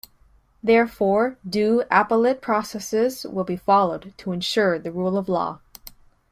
Therefore due appellate processes will be followed to ensure the rule of law.